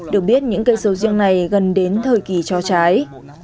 được biết những cây sầu riêng này gần đến thời kỳ cho trái